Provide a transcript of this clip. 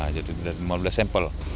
jadi lima belas sampel